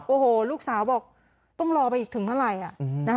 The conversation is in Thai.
โอ้โหลูกสาวบอกต้องรอไปอีกถึงเท่าไหร่